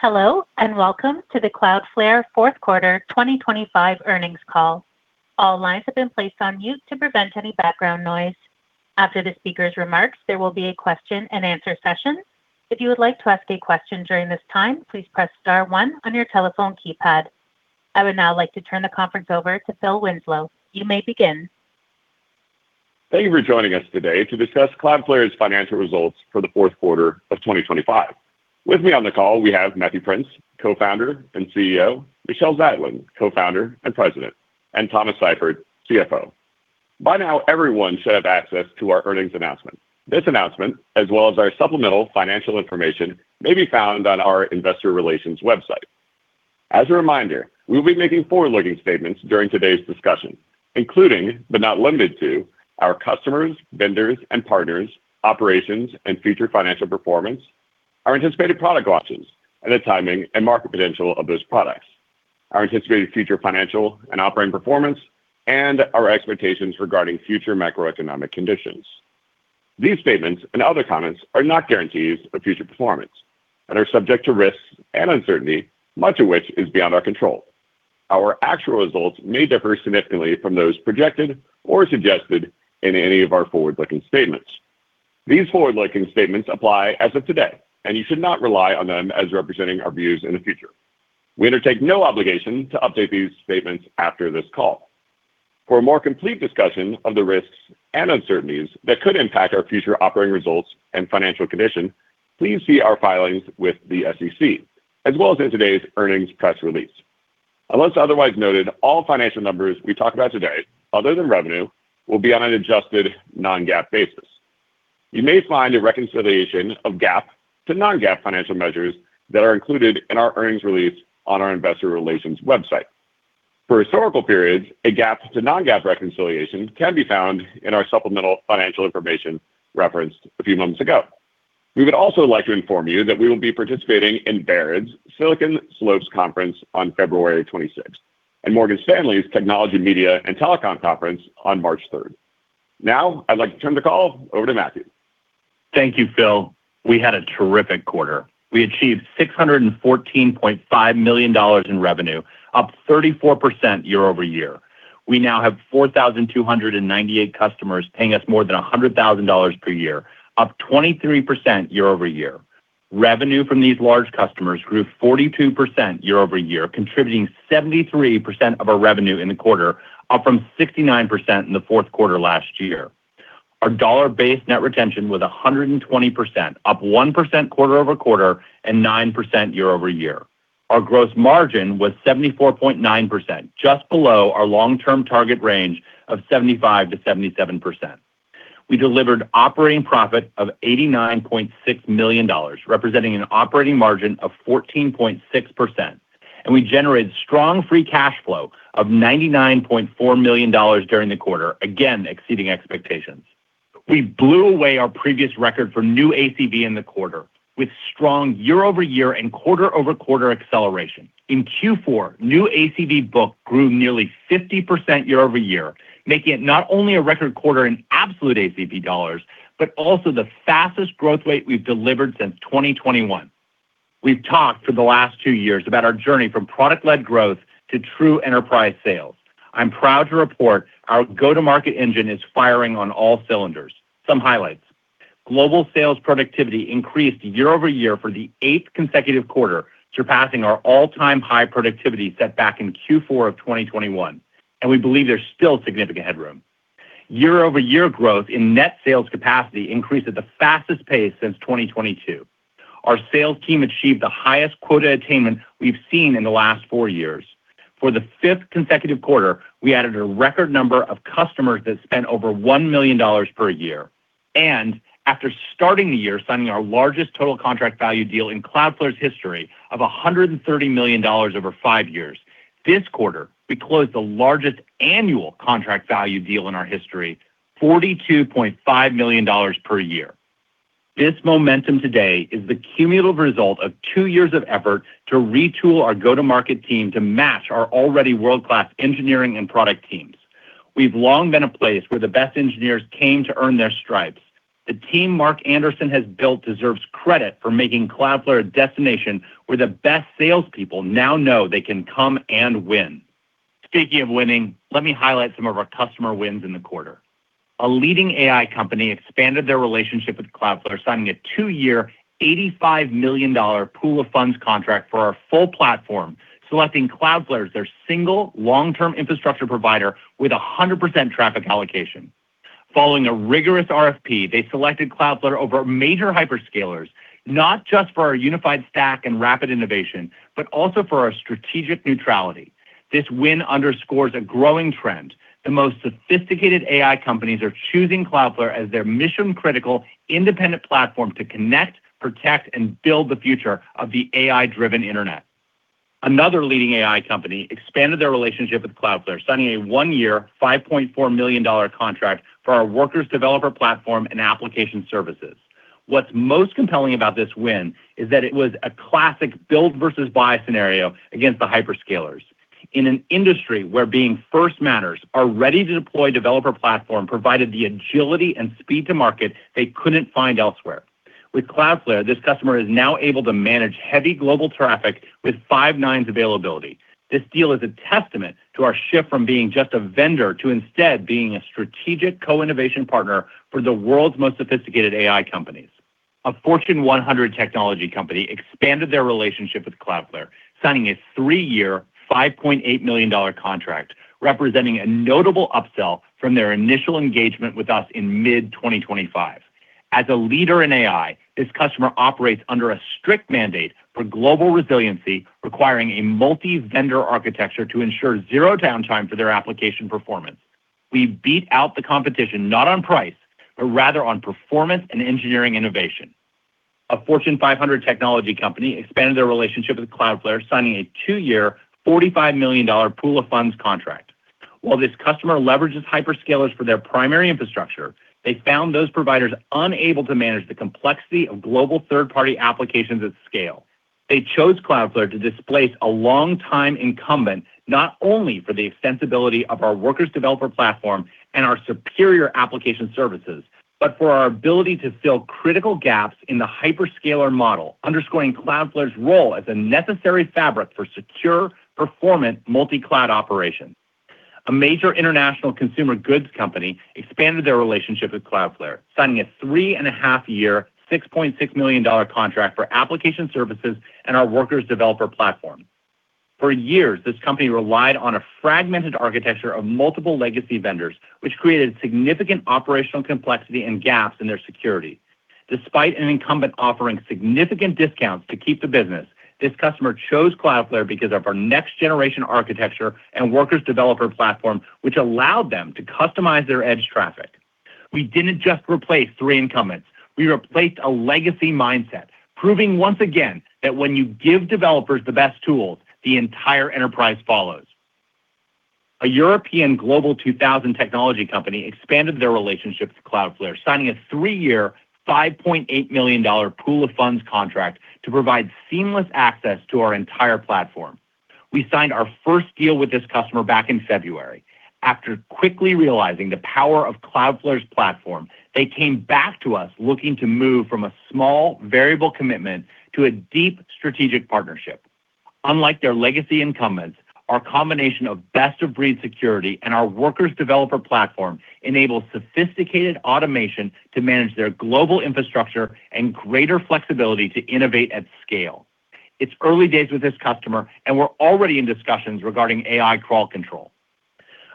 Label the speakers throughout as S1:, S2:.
S1: Hello and welcome to the Cloudflare fourth quarter 2025 earnings call. All lines have been placed on mute to prevent any background noise. After the speaker's remarks, there will be a question-and-answer session. If you would like to ask a question during this time, please press star star on your telephone keypad. I would now like to turn the conference over to Phil Winslow. You may begin.
S2: Thank you for joining us today to discuss Cloudflare's financial results for the fourth quarter of 2025. With me on the call we have Matthew Prince, co-founder and CEO, Michelle Zatlyn, co-founder and President, and Thomas Seifert, CFO. By now everyone should have access to our earnings announcement. This announcement, as well as our supplemental financial information, may be found on our investor relations website. As a reminder, we will be making forward-looking statements during today's discussion, including but not limited to our customers, vendors, and partners, operations and future financial performance, our anticipated product launches, and the timing and market potential of those products, our anticipated future financial and operating performance, and our expectations regarding future macroeconomic conditions. These statements and other comments are not guarantees of future performance and are subject to risks and uncertainty, much of which is beyond our control. Our actual results may differ significantly from those projected or suggested in any of our forward-looking statements. These forward-looking statements apply as of today, and you should not rely on them as representing our views in the future. We undertake no obligation to update these statements after this call. For a more complete discussion of the risks and uncertainties that could impact our future operating results and financial condition, please see our filings with the SEC, as well as in today's earnings press release. Unless otherwise noted, all financial numbers we talk about today, other than revenue, will be on an adjusted non-GAAP basis. You may find a reconciliation of GAAP to non-GAAP financial measures that are included in our earnings release on our investor relations website. For historical periods, a GAAP to non-GAAP reconciliation can be found in our supplemental financial information referenced a few moments ago. We would also like to inform you that we will be participating in Baird's Silicon Slopes Conference on February 26th and Morgan Stanley's Technology, Media, & Telecom Conference on March 3rd. Now I'd like to turn the call over to Matthew.
S3: Thank you, Phil. We had a terrific quarter. We achieved $614.5 million in revenue, up 34% year-over-year. We now have 4,298 customers paying us more than $100,000 per year, up 23% year-over-year. Revenue from these large customers grew 42% year-over-year, contributing 73% of our revenue in the quarter, up from 69% in the fourth quarter last year. Our dollar-based net retention was 120%, up 1% quarter-over-quarter and 9% year-over-year. Our gross margin was 74.9%, just below our long-term target range of 75%-77%. We delivered operating profit of $89.6 million, representing an operating margin of 14.6%, and we generated strong free cash flow of $99.4 million during the quarter, again exceeding expectations. We blew away our previous record for new ACV in the quarter with strong year-over-year and quarter-over-quarter acceleration. In Q4, new ACV book grew nearly 50% year-over-year, making it not only a record quarter in absolute ACV dollars but also the fastest growth rate we've delivered since 2021. We've talked for the last two years about our journey from product-led growth to true enterprise sales. I'm proud to report our go-to-market engine is firing on all cylinders. Some highlights: Global sales productivity increased year-over-year for the eighth consecutive quarter, surpassing our all-time high productivity set back in Q4 of 2021, and we believe there's still significant headroom. Year-over-year growth in net sales capacity increased at the fastest pace since 2022. Our sales team achieved the highest quota attainment we've seen in the last four years. For the fifth consecutive quarter, we added a record number of customers that spent over $1 million per year. After starting the year signing our largest total contract value deal in Cloudflare's history of $130 million over five years, this quarter we closed the largest annual contract value deal in our history, $42.5 million per year. This momentum today is the cumulative result of two years of effort to retool our go-to-market team to match our already world-class engineering and product teams. We've long been a place where the best engineers came to earn their stripes. The team Mark Anderson has built deserves credit for making Cloudflare a destination where the best salespeople now know they can come and win. Speaking of winning, let me highlight some of our customer wins in the quarter. A leading AI company expanded their relationship with Cloudflare, signing a two-year, $85 million pool of funds contract for our full platform, selecting Cloudflare as their single long-term infrastructure provider with 100% traffic allocation. Following a rigorous RFP, they selected Cloudflare over major hyperscalers, not just for our unified stack and rapid innovation but also for our strategic neutrality. This win underscores a growing trend: the most sophisticated AI companies are choosing Cloudflare as their mission-critical independent platform to connect, protect, and build the future of the AI-driven internet. Another leading AI company expanded their relationship with Cloudflare, signing a one-year, $5.4 million contract for our Workers' Developer Platform and Application Services. What's most compelling about this win is that it was a classic build versus buy scenario against the hyperscalers. In an industry where being first matters, our ready-to-deploy Developer Platform provided the agility and speed to market they couldn't find elsewhere. With Cloudflare, this customer is now able to manage heavy global traffic with 99.999% availability. This deal is a testament to our shift from being just a vendor to instead being a strategic co-innovation partner for the world's most sophisticated AI companies. A Fortune 100 technology company expanded their relationship with Cloudflare, signing a three-year, $5.8 million contract, representing a notable upsell from their initial engagement with us in mid-2025. As a leader in AI, this customer operates under a strict mandate for global resiliency, requiring a multi-vendor architecture to ensure zero downtime for their application performance. We beat out the competition not on price but rather on performance and engineering innovation. A Fortune 500 technology company expanded their relationship with Cloudflare, signing a two-year, $45 million pool of funds contract. While this customer leverages hyperscalers for their primary infrastructure, they found those providers unable to manage the complexity of global third-party applications at scale. They chose Cloudflare to displace a long-time incumbent not only for the extensibility of our Workers Developer Platform and our superior Application Services but for our ability to fill critical gaps in the hyperscaler model, underscoring Cloudflare's role as a necessary fabric for secure, performant multi-cloud operations. A major international consumer goods company expanded their relationship with Cloudflare, signing a 3.5-year, $6.6 million contract for Application Services and our Workers Developer Platform. For years, this company relied on a fragmented architecture of multiple legacy vendors, which created significant operational complexity and gaps in their security. Despite an incumbent offering significant discounts to keep the business, this customer chose Cloudflare because of our next-generation architecture and Workers Developer Platform, which allowed them to customize their edge traffic. We didn't just replace three incumbents. We replaced a legacy mindset, proving once again that when you give developers the best tools, the entire enterprise follows. A European Global 2000 technology company expanded their relationship with Cloudflare, signing a three-year, $5.8 million pool of funds contract to provide seamless access to our entire platform. We signed our first deal with this customer back in February. After quickly realizing the power of Cloudflare's platform, they came back to us looking to move from a small, variable commitment to a deep strategic partnership. Unlike their legacy incumbents, our combination of best-of-breed security and our Workers' Developer Platform enables sophisticated automation to manage their global infrastructure and greater flexibility to innovate at scale. It's early days with this customer, and we're already in discussions regarding AI Crawl Control.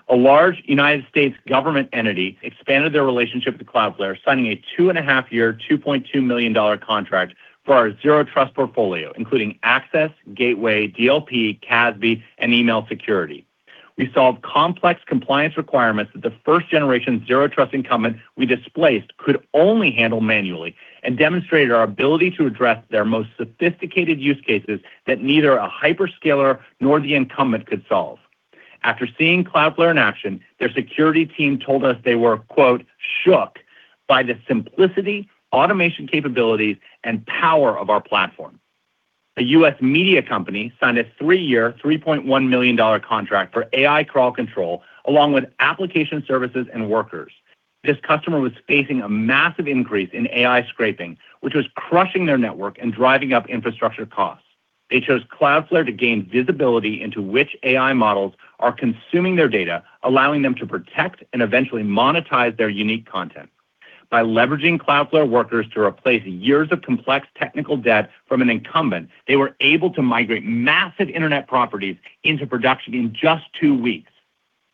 S3: A large U.S. government entity expanded their relationship with Cloudflare, signing a 2.5-year, $2.2 million contract for Zero Trust portfolio, including Access, Gateway, DLP, CASB, and Email Security. We solved complex compliance requirements that the Zero Trust incumbent we displaced could only handle manually and demonstrated our ability to address their most sophisticated use cases that neither a hyperscaler nor the incumbent could solve. After seeing Cloudflare in action, their security team told us they were "shook" by the simplicity, automation capabilities, and power of our platform. A U.S. media company signed a 3-year, $3.1 million contract for AI Crawl Control along with Application Services and Workers. This customer was facing a massive increase in AI scraping, which was crushing their network and driving up infrastructure costs. They chose Cloudflare to gain visibility into which AI models are consuming their data, allowing them to protect and eventually monetize their unique content. By leveraging Cloudflare Workers to replace years of complex technical debt from an incumbent, they were able to migrate massive internet properties into production in just two weeks.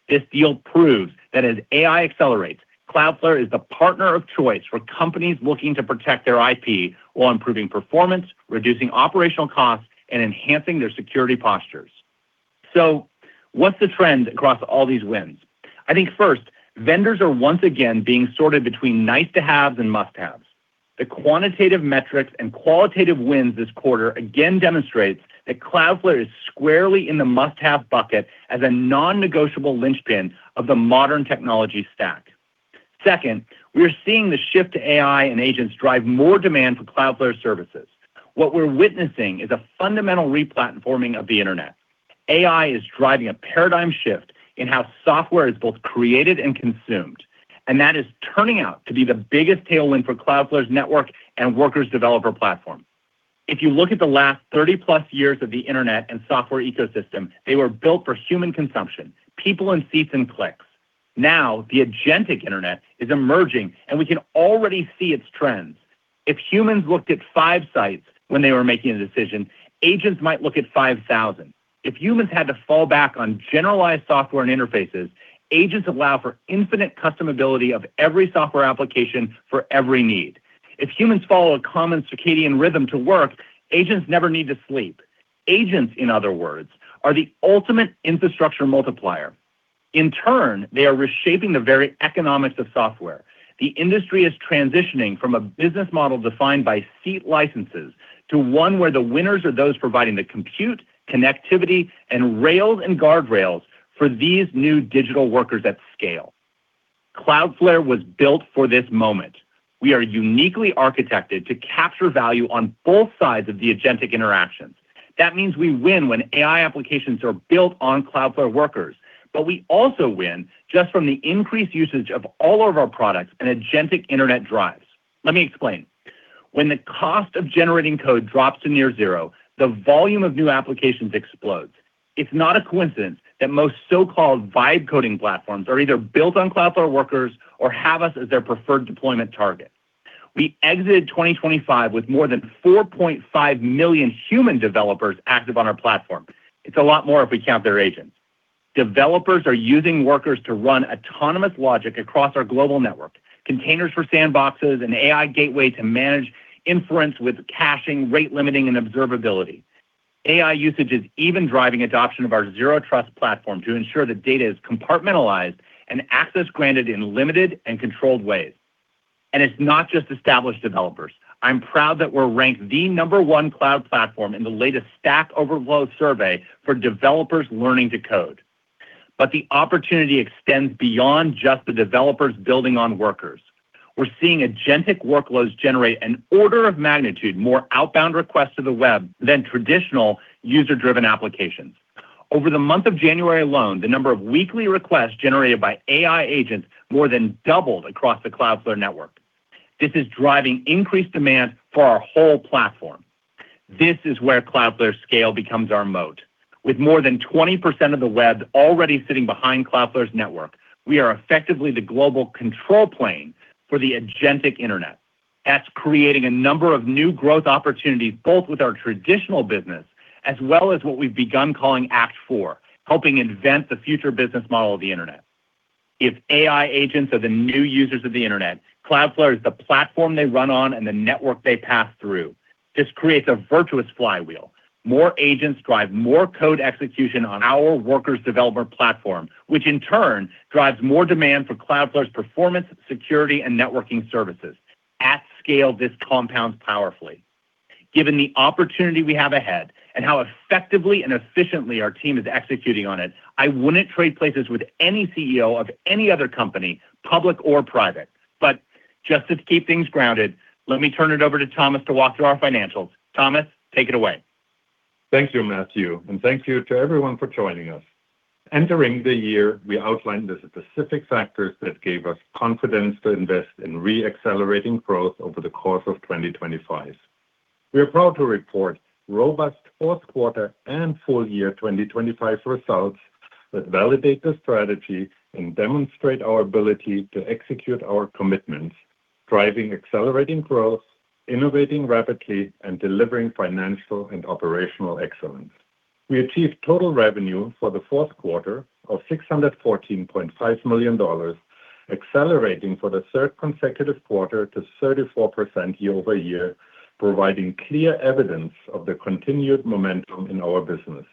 S3: This deal proves that as AI accelerates, Cloudflare is the partner of choice for companies looking to protect their IP while improving performance, reducing operational costs, and enhancing their security postures. So what's the trend across all these wins? I think first, vendors are once again being sorted between nice-to-haves and must-haves. The quantitative metrics and qualitative wins this quarter again demonstrate that Cloudflare is squarely in the must-have bucket as a non-negotiable linchpin of the modern technology stack. Second, we are seeing the shift to AI and agents drive more demand for Cloudflare services. What we're witnessing is a fundamental replatforming of the internet. AI is driving a paradigm shift in how software is both created and consumed, and that is turning out to be the biggest tailwind for Cloudflare's network and Workers' Developer Platform. If you look at the last 30+ years of the internet and software ecosystem, they were built for human consumption, people in seats and clicks. Now, the Agentic Internet is emerging, and we can already see its trends. If humans looked at five sites when they were making a decision, agents might look at 5,000. If humans had to fall back on generalized software and interfaces, agents allow for infinite customability of every software application for every need. If humans follow a common circadian rhythm to work, agents never need to sleep. Agents, in other words, are the ultimate infrastructure multiplier. In turn, they are reshaping the very economics of software. The industry is transitioning from a business model defined by seat licenses to one where the winners are those providing the compute, connectivity, and rails and guardrails for these new digital Workers at scale. Cloudflare was built for this moment. We are uniquely architected to capture value on both sides of the agentic interactions. That means we win when AI applications are built on Cloudflare Workers, but we also win just from the increased usage of all of our products and Agentic Internet drives. Let me explain. When the cost of generating code drops to near zero, the volume of new applications explodes. It's not a coincidence that most so-called Vibe-coding platforms are either built on Cloudflare Workers or have us as their preferred deployment target. We exited 2025 with more than 4.5 million human developers active on our platform. It's a lot more if we count their agents. Developers are using Workers to run autonomous logic across our global network, containers for sandboxes, an AI Gateway to manage inference with caching, rate limiting, and observability. AI usage is even driving adoption of Zero Trust platform to ensure that data is compartmentalized and access granted in limited and controlled ways. And it's not just established developers. I'm proud that we're ranked the Number 1 cloud platform in the latest Stack Overflow survey for developers learning to code. But the opportunity extends beyond just the developers building on Workers. We're seeing agentic workloads generate an order of magnitude more outbound requests to the web than traditional user-driven applications. Over the month of January alone, the number of weekly requests generated by AI agents more than doubled across the Cloudflare network. This is driving increased demand for our whole platform. This is where Cloudflare's scale becomes our moat. With more than 20% of the web already sitting behind Cloudflare's network, we are effectively the global control plane for the Agentic Internet. That's creating a number of new growth opportunities both with our traditional business as well as what we've begun calling Act 4, helping invent the future business model of the internet. If AI agents are the new users of the internet, Cloudflare is the platform they run on and the network they pass through. This creates a virtuous flywheel. More agents drive more code execution on our Workers' Developer Platform, which in turn drives more demand for Cloudflare's performance, security, and networking services. At scale, this compounds powerfully. Given the opportunity we have ahead and how effectively and efficiently our team is executing on it, I wouldn't trade places with any CEO of any other company, public or private. But just to keep things grounded, let me turn it over to Thomas to walk through our financials. Thomas, take it away.
S4: Thank you, Matthew. Thank you to everyone for joining us. Entering the year, we outlined the specific factors that gave us confidence to invest in reaccelerating growth over the course of 2025. We are proud to report robust fourth-quarter and full-year 2025 results that validate the strategy and demonstrate our ability to execute our commitments, driving accelerating growth, innovating rapidly, and delivering financial and operational excellence. We achieved total revenue for the fourth quarter of $614.5 million, accelerating for the third consecutive quarter to 34% year-over-year, providing clear evidence of the continued momentum in our business.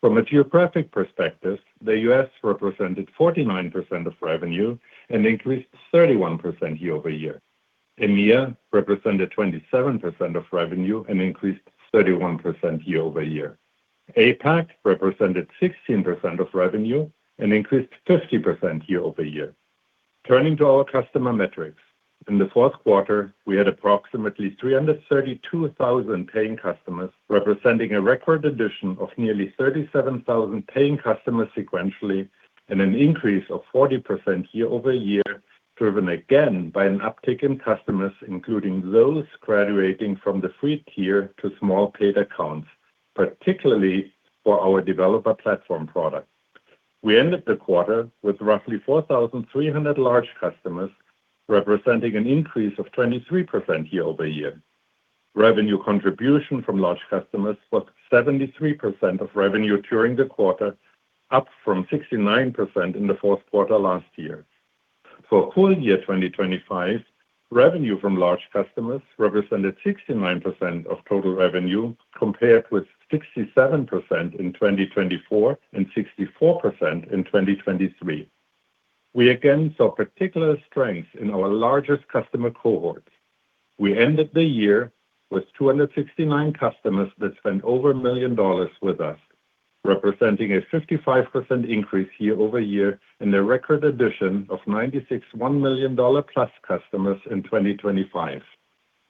S4: From a geographic perspective, the U.S. represented 49% of revenue and increased 31% year-over-year. EMEA represented 27% of revenue and increased 31% year-over-year. APAC represented 16% of revenue and increased 50% year-over-year. Turning to our customer metrics, in the fourth quarter, we had approximately 332,000 paying customers, representing a record addition of nearly 37,000 paying customers sequentially and an increase of 40% year-over-year, driven again by an uptick in customers including those graduating from the free tier to small paid accounts, particularly for our Developer Platform product. We ended the quarter with roughly 4,300 large customers, representing an increase of 23% year-over-year. Revenue contribution from large customers was 73% of revenue during the quarter, up from 69% in the fourth quarter last year. For full-year 2025, revenue from large customers represented 69% of total revenue compared with 67% in 2024 and 64% in 2023. We again saw particular strengths in our largest customer cohorts. We ended the year with 269 customers that spent over $1 million with us, representing a 55% increase year-over-year in the record addition of $961 million+ customers in 2025.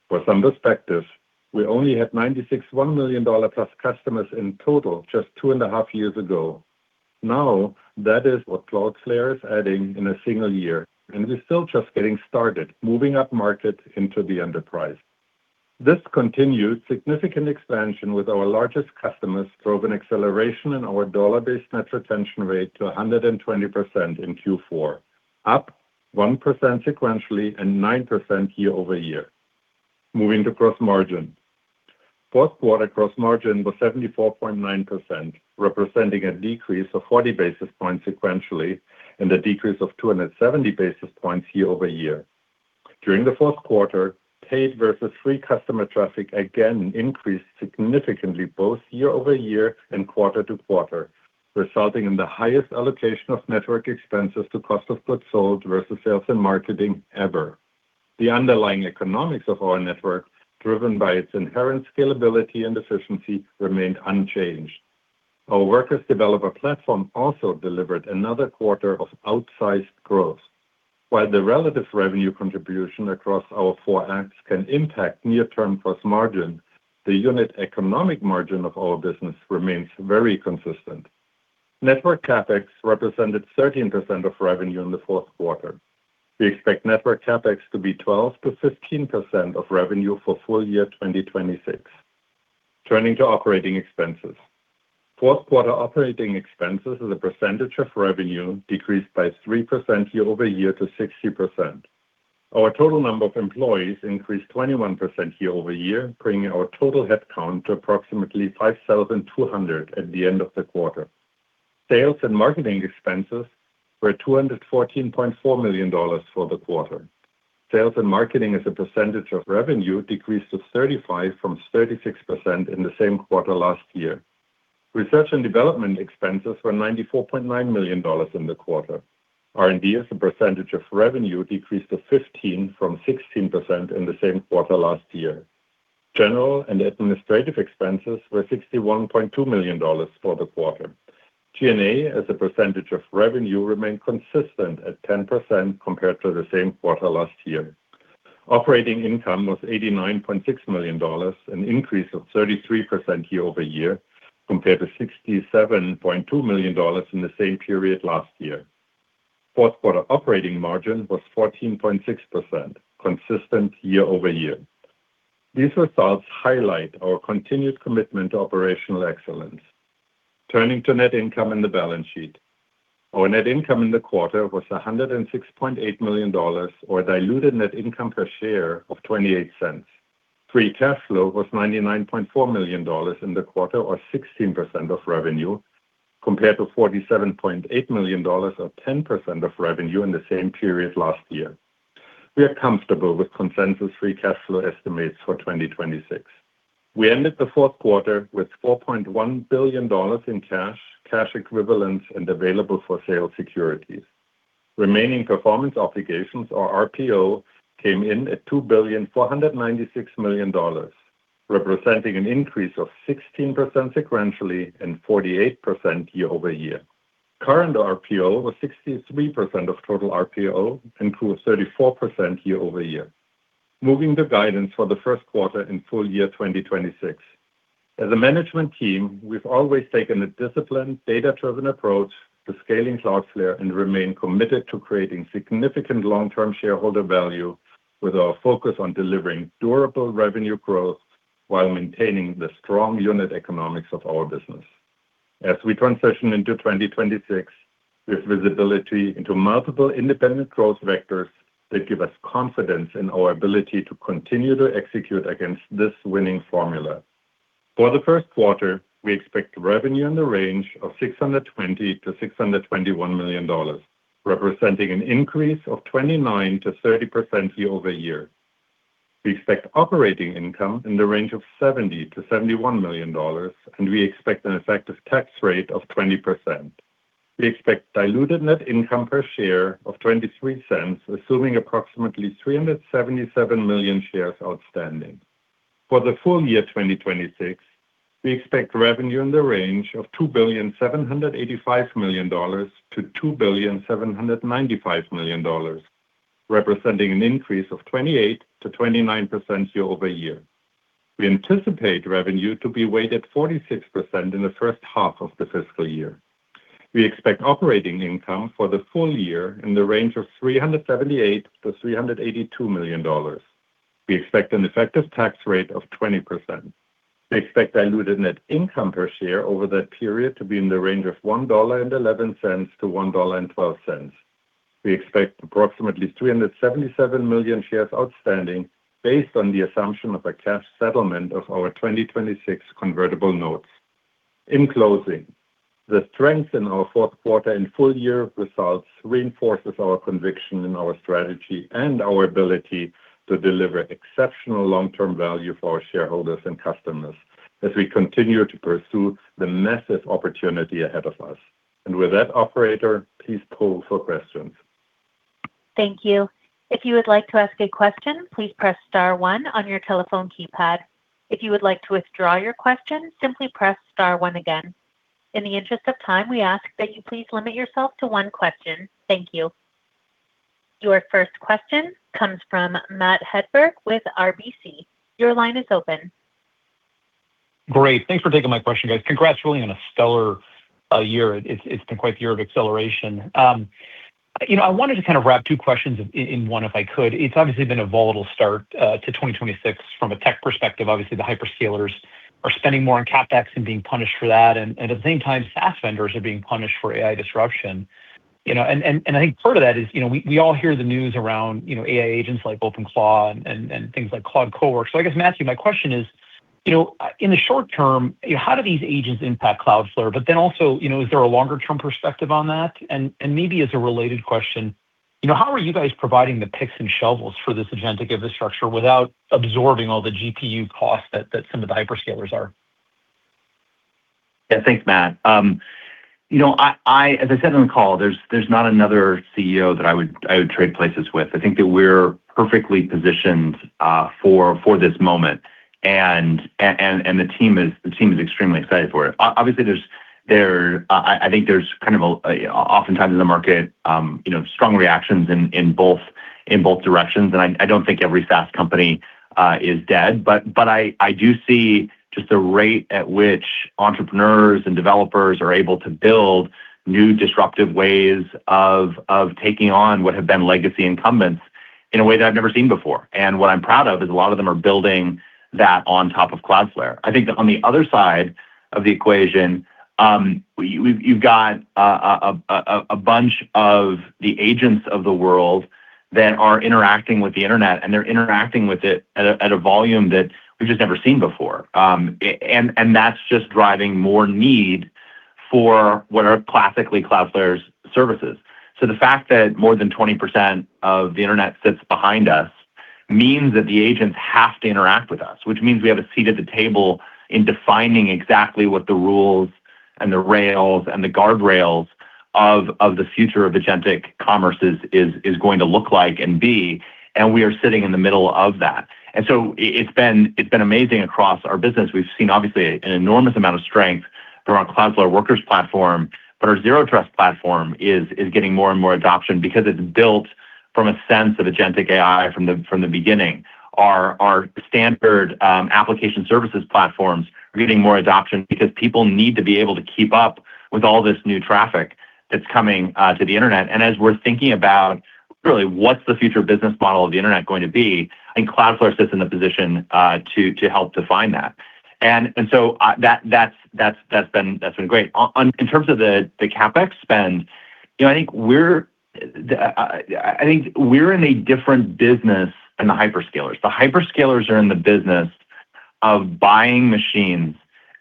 S4: For some perspective, we only had $961 million+ customers in total just two and a half years ago. Now, that is what Cloudflare is adding in a single year, and we're still just getting started, moving up market into the enterprise. This continued significant expansion with our largest customers drove an acceleration in our dollar-based net retention rate to 120% in Q4, up 1% sequentially and 9% year-over-year. Moving to gross margin. Fourth-quarter gross margin was 74.9%, representing a decrease of 40 basis points sequentially and a decrease of 270 basis points year-over-year. During the fourth quarter, paid versus free customer traffic again increased significantly both year-over-year and quarter-over-quarter, resulting in the highest allocation of network expenses to cost of goods sold versus sales and marketing ever. The underlying economics of our network, driven by its inherent scalability and efficiency, remained unchanged. Our Workers' Developer Platform also delivered another quarter of outsized growth. While the relative revenue contribution across our four acts can impact near-term gross margin, the unit economic margin of our business remains very consistent. Network CapEx represented 13% of revenue in the fourth quarter. We expect network CapEx to be 12%-15% of revenue for full-year 2026. Turning to operating expenses. Fourth-quarter operating expenses are the percentage of revenue decreased by 3% year-over-year to 60%. Our total number of employees increased 21% year-over-year, bringing our total headcount to approximately 5,200 at the end of the quarter. Sales and marketing expenses were $214.4 million for the quarter. Sales and marketing as a percentage of revenue decreased to 35% from 36% in the same quarter last year. Research & Development expenses were $94.9 million in the quarter. R&D as a percentage of revenue decreased to 15% from 16% in the same quarter last year. General & Administrative expenses were $61.2 million for the quarter. G&A as a percentage of revenue remained consistent at 10% compared to the same quarter last year. Operating income was $89.6 million, an increase of 33% year-over-year compared to $67.2 million in the same period last year. Fourth-quarter operating margin was 14.6%, consistent year-over-year. These results highlight our continued commitment to operational excellence. Turning to net income in the balance sheet. Our net income in the quarter was $106.8 million or a diluted net income per share of $0.28. Free cash flow was $99.4 million in the quarter or 16% of revenue compared to $47.8 million or 10% of revenue in the same period last year. We are comfortable with consensus-free cash flow estimates for 2026. We ended the fourth quarter with $4.1 billion in cash, cash equivalents, and available-for-sale securities. Remaining performance obligations, or RPO, came in at $2,496,000,000, representing an increase of 16% sequentially and 48% year-over-year. Current RPO was 63% of total RPO and grew 34% year-over-year. Moving to guidance for the first quarter and full-year 2026. As a management team, we've always taken a disciplined, data-driven approach to scaling Cloudflare and remain committed to creating significant long-term shareholder value with our focus on delivering durable revenue growth while maintaining the strong unit economics of our business. As we transition into 2026, we have visibility into multiple independent growth vectors that give us confidence in our ability to continue to execute against this winning formula. For the first quarter, we expect revenue in the range of $620 million-$621 million, representing an increase of 29%-30% year-over-year. We expect operating income in the range of $70 million-$71 million, and we expect an effective tax rate of 20%. We expect diluted net income per share of $0.23, assuming approximately 377 million shares outstanding. For the full-year 2026, we expect revenue in the range of $2,785,000,000-$2,795,000,000, representing an increase of 28%-29% year-over-year. We anticipate revenue to be weighted 46% in the first half of the fiscal year. We expect operating income for the full-year in the range of $378 million-$382 million. We expect an effective tax rate of 20%. We expect diluted net income per share over that period to be in the range of $1.11-$1.12. We expect approximately 377 million shares outstanding based on the assumption of a cash settlement of our 2026 convertible notes. In closing, the strength in our fourth quarter and full-year results reinforces our conviction in our strategy and our ability to deliver exceptional long-term value for our shareholders and customers as we continue to pursue the massive opportunity ahead of us. With that, operator, please pull for questions.
S1: Thank you. If you would like to ask a question, please press star one on your telephone keypad. If you would like to withdraw your question, simply press star one again. In the interest of time, we ask that you please limit yourself to one question. Thank you. Your first question comes from Matt Hedberg with RBC. Your line is open.
S5: Great. Thanks for taking my question, guys. Congratulations on a stellar year. It's been quite the year of acceleration. I wanted to kind of wrap two questions in one, if I could. It's obviously been a volatile start to 2026 from a tech perspective. Obviously, the hyperscalers are spending more on CapEx and being punished for that. At the same time, SaaS vendors are being punished for AI disruption. I think part of that is we all hear the news around AI agents like OpenClaw and things like Claude Cowork. So I guess, Matthew, my question is, in the short term, how do these agents impact Cloudflare? But then also, is there a longer-term perspective on that? And maybe as a related question, how are you guys providing the picks and shovels for this agentic infrastructure without absorbing all the GPU costs that some of the hyperscalers are?
S3: Yeah, thanks, Matt. As I said on the call, there's not another CEO that I would trade places with. I think that we're perfectly positioned for this moment, and the team is extremely excited for it. Obviously, I think there's kind of oftentimes in the market strong reactions in both directions. I don't think every SaaS company is dead. I do see just the rate at which entrepreneurs and developers are able to build new disruptive ways of taking on what have been legacy incumbents in a way that I've never seen before. What I'm proud of is a lot of them are building that on top of Cloudflare. I think that on the other side of the equation, you've got a bunch of the agents of the world that are interacting with the internet, and they're interacting with it at a volume that we've just never seen before. And that's just driving more need for what are classically Cloudflare's services. So the fact that more than 20% of the internet sits behind us means that the agents have to interact with us, which means we have a seat at the table in defining exactly what the rules and the rails and the guardrails of the future of agentic commerce is going to look like and be. And we are sitting in the middle of that. And so it's been amazing across our business. We've seen, obviously, an enormous amount of strength from our Cloudflare Workers platform. But Zero Trust platform is getting more and more adoption because it's built from a sense of agentic AI from the beginning. Our standard Application Services platforms are getting more adoption because people need to be able to keep up with all this new traffic that's coming to the internet. And as we're thinking about, really, what's the future business model of the internet going to be, I think Cloudflare sits in the position to help define that. And so that's been great. In terms of the CapEx spend, I think we're in a different business than the hyperscalers. The hyperscalers are in the business of buying machines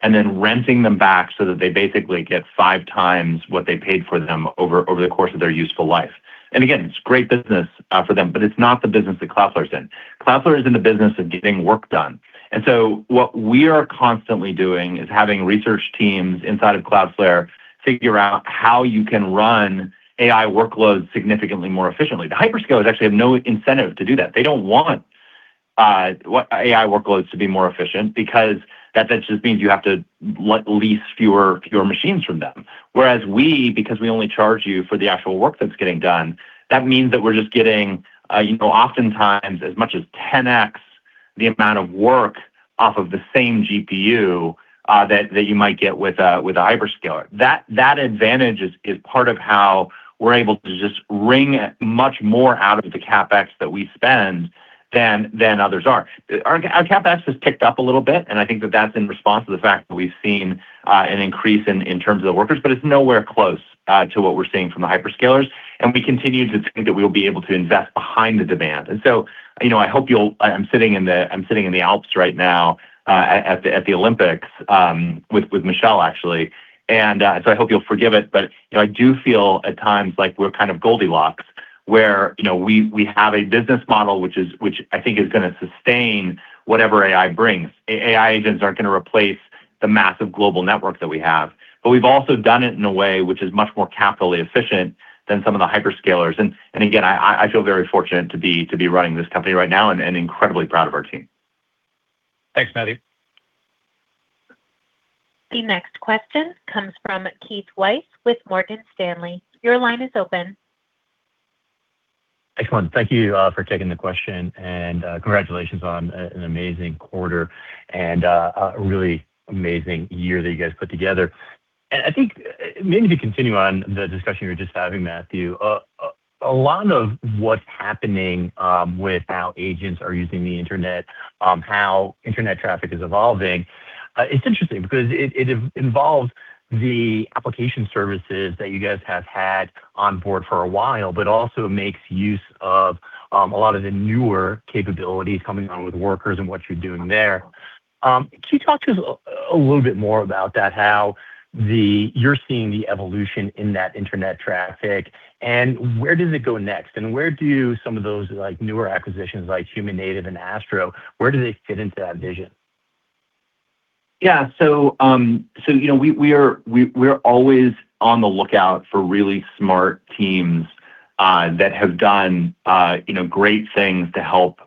S3: and then renting them back so that they basically get five times what they paid for them over the course of their useful life. And again, it's great business for them, but it's not the business that Cloudflare's in. Cloudflare is in the business of getting work done. So what we are constantly doing is having research teams inside of Cloudflare figure out how you can run AI workloads significantly more efficiently. The hyperscalers actually have no incentive to do that. They don't want AI workloads to be more efficient because that just means you have to lease fewer machines from them. Whereas we, because we only charge you for the actual work that's getting done, that means that we're just getting, oftentimes, as much as 10x the amount of work off of the same GPU that you might get with a hyperscaler. That advantage is part of how we're able to just wring much more out of the CapEx that we spend than others are. Our CapEx has picked up a little bit, and I think that that's in response to the fact that we've seen an increase in terms of the Workers. But it's nowhere close to what we're seeing from the hyperscalers. And we continue to think that we will be able to invest behind the demand. I'm sitting in the Alps right now at the Olympics with Michelle, actually. And so I hope you'll forgive it. But I do feel at times like we're kind of Goldilocks, where we have a business model which I think is going to sustain whatever AI brings. AI agents aren't going to replace the massive global network that we have. But we've also done it in a way which is much more capital efficient than some of the hyperscalers. And again, I feel very fortunate to be running this company right now and incredibly proud of our team.
S5: Thanks, Matthew.
S1: The next question comes from Keith Weiss with Morgan Stanley. Your line is open.
S6: Excellent. Thank you for taking the question. Congratulations on an amazing quarter and a really amazing year that you guys put together. I think maybe to continue on the discussion you were just having, Matthew, a lot of what's happening with how agents are using the internet, how internet traffic is evolving, it's interesting because it involves the Application Services that you guys have had on board for a while, but also makes use of a lot of the newer capabilities coming on with Workers and what you're doing there. Can you talk to us a little bit more about that, how you're seeing the evolution in that internet traffic? Where does it go next? Where do some of those newer acquisitions like Human Native and Astro fit into that vision? Yeah.
S3: So we're always on the lookout for really smart teams that have done great things to help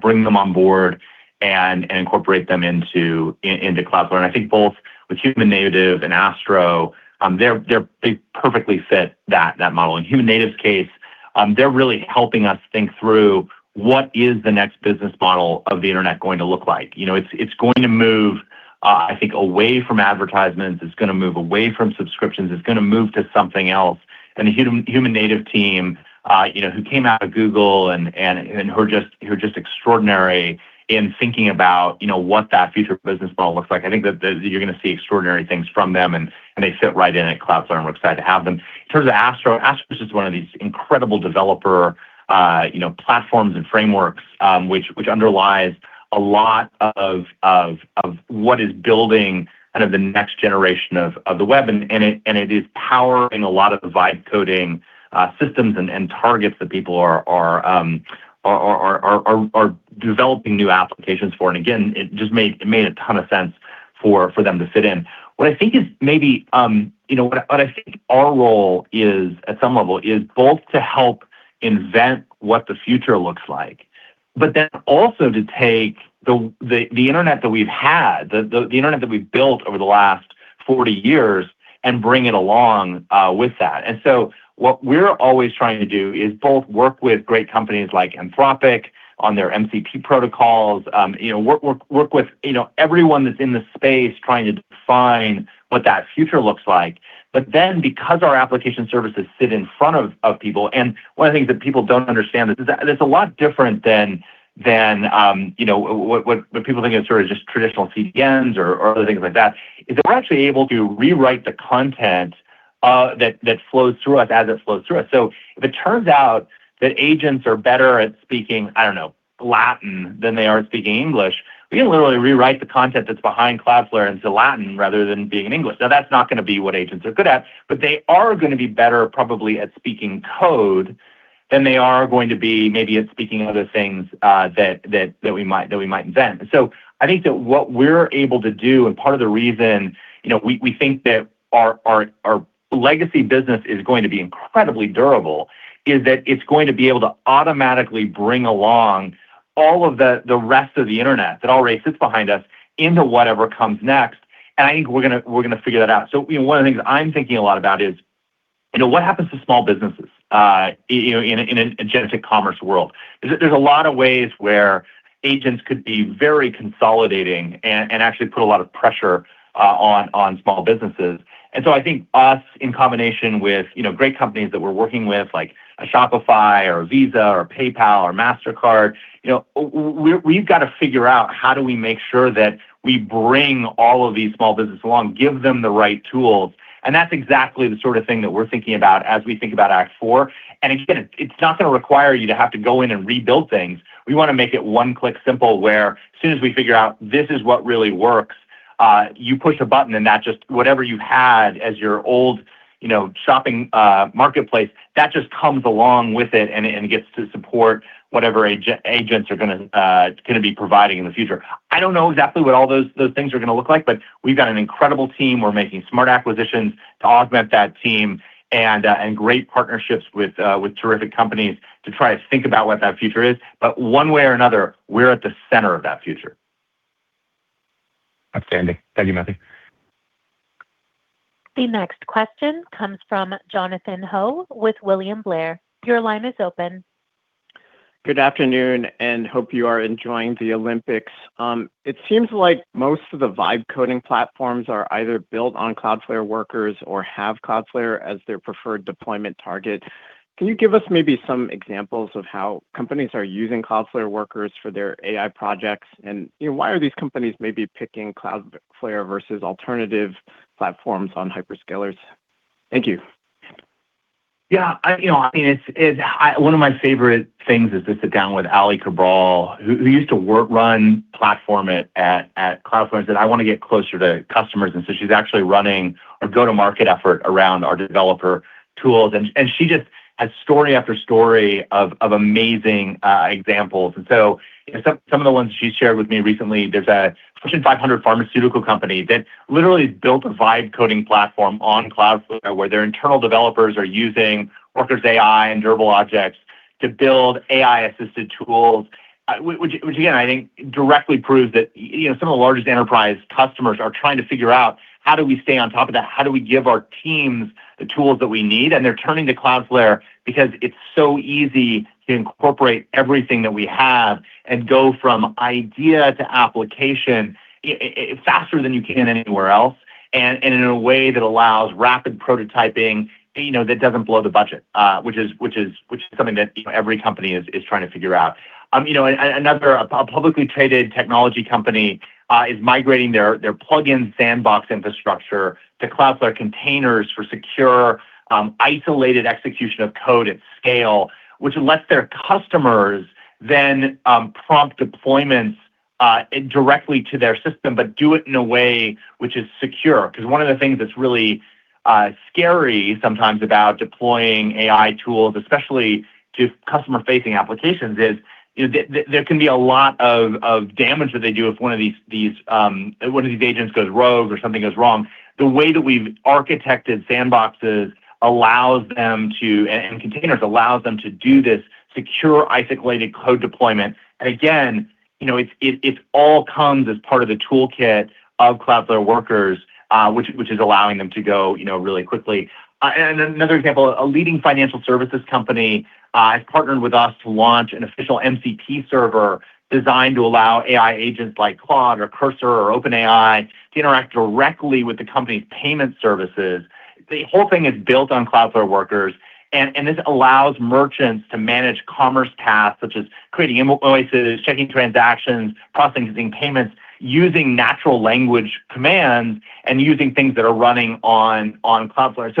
S3: bring them on board and incorporate them into Cloudflare. And I think both with Human Native and Astro, they perfectly fit that model. In Human Native's case, they're really helping us think through what is the next business model of the internet going to look like. It's going to move, I think, away from advertisements. It's going to move away from subscriptions. It's going to move to something else. And the Human Native team, who came out of Google and who are just extraordinary in thinking about what that future business model looks like, I think that you're going to see extraordinary things from them. And they fit right in at Cloudflare, and we're excited to have them. In terms of Astro, Astro is just one of these incredible Developer Platforms and frameworks which underlies a lot of what is building kind of the next generation of the web. It is powering a lot of Vibe-coding systems and targets that people are developing new applications for. Again, it made a ton of sense for them to fit in. What I think is maybe what I think our role is at some level is both to help invent what the future looks like, but then also to take the internet that we've had, the internet that we've built over the last 40 years, and bring it along with that. So what we're always trying to do is both work with great companies like Anthropic on their MCP protocols, work with everyone that's in the space trying to define what that future looks like. But then because our Application Services sit in front of people and one of the things that people don't understand is that it's a lot different than what people think of sort of just traditional CDNs or other things like that, is that we're actually able to rewrite the content that flows through us as it flows through us. So if it turns out that agents are better at speaking, I don't know, Latin than they are at speaking English, we can literally rewrite the content that's behind Cloudflare into Latin rather than being in English. Now, that's not going to be what agents are good at. But they are going to be better, probably, at speaking code than they are going to be maybe at speaking other things that we might invent. And so I think that what we're able to do and part of the reason we think that our legacy business is going to be incredibly durable is that it's going to be able to automatically bring along all of the rest of the internet that already sits behind us into whatever comes next. And I think we're going to figure that out. So one of the things I'm thinking a lot about is what happens to small businesses in an agentic commerce world? There's a lot of ways where agents could be very consolidating and actually put a lot of pressure on small businesses. And so I think us, in combination with great companies that we're working with like Shopify or Visa or PayPal or Mastercard, we've got to figure out how do we make sure that we bring all of these small businesses along, give them the right tools. And that's exactly the sort of thing that we're thinking about as we think about Act 4. And again, it's not going to require you to have to go in and rebuild things. We want to make it one-click simple where as soon as we figure out, "This is what really works," you push a button, and whatever you had as your old shopping marketplace, that just comes along with it and gets to support whatever agents are going to be providing in the future. I don't know exactly what all those things are going to look like, but we've got an incredible team. We're making smart acquisitions to augment that team and great partnerships with terrific companies to try to think about what that future is. But one way or another, we're at the center of that future. \
S6: Outstanding. Thank you, Matthew.
S1: The next question comes from Jonathan Ho with William Blair. Your line is open.
S7: Good afternoon, and hope you are enjoying the Olympics. It seems like most of the vibe coding platforms are either built on Cloudflare Workers or have Cloudflare as their preferred deployment target. Can you give us maybe some examples of how companies are using Cloudflare Workers for their AI projects? And why are these companies maybe picking Cloudflare versus alternative platforms on hyperscalers? Thank you.
S3: Yeah. I mean, one of my favorite things is to sit down with Aly Cabral, who used to run platform at Cloudflare, and said, "I want to get closer to customers." And so she's actually running our go-to-market effort around our developer tools. And she just has story after story of amazing examples. And so some of the ones she shared with me recently, there's a Fortune 500 pharmaceutical company that literally built a vibe coding platform on Cloudflare where their internal developers are using Workers AI and Durable Objects to build AI-assisted tools, which, again, I think directly proves that some of the largest enterprise customers are trying to figure out, "How do we stay on top of that? How do we give our teams the tools that we need?" They're turning to Cloudflare because it's so easy to incorporate everything that we have and go from idea to application faster than you can anywhere else and in a way that allows rapid prototyping that doesn't blow the budget, which is something that every company is trying to figure out. A publicly traded technology company is migrating their plug-in Sandbox infrastructure to Cloudflare containers for secure, isolated execution of code at scale, which lets their customers then prompt deployments directly to their system but do it in a way which is secure. Because one of the things that's really scary sometimes about deploying AI tools, especially to customer-facing applications, is there can be a lot of damage that they do if one of these agents goes rogue or something goes wrong. The way that we've architected Sandboxes and containers allows them to do this secure, isolated code deployment. Again, it all comes as part of the toolkit of Cloudflare Workers, which is allowing them to go really quickly. Another example, a leading financial services company has partnered with us to launch an official MCP server designed to allow AI agents like Claude or Cursor or OpenAI to interact directly with the company's payment services. The whole thing is built on Cloudflare Workers. This allows merchants to manage commerce tasks such as creating invoices, checking transactions, processing payments, using natural language commands, and using things that are running on Cloudflare.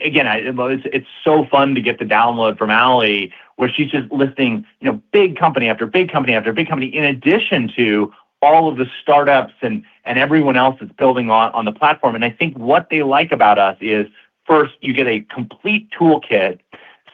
S3: Again, it's so fun to get the download from Aly, where she's just listing big company after big company after big company in addition to all of the startups and everyone else that's building on the platform. And I think what they like about us is, first, you get a complete toolkit.